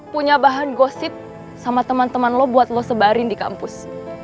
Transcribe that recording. punya bahan gosip sama temen temen lu buat lu sebarin di kampus